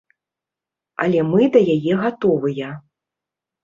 Але мы да яе гатовыя.